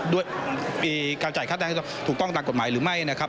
ด้วยการจ่ายค่าจ้างค่าจ้างถูกต้องตามกฎหมายหรือไม่นะครับ